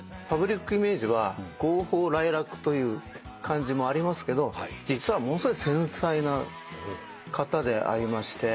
パブリックイメージは豪放磊落という感じもありますけど実はものすごい繊細な方でありまして。